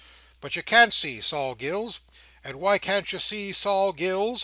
But you can't see Sol Gills. And why can't you see Sol Gills?"